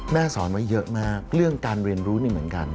แม่สอนไว้เยอะมากเรื่องการเรียนรู้นี่เหมือนกัน